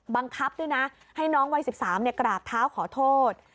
บังคับด้วยนะให้น้องวัย๑๓กราบเท้าขอโทษ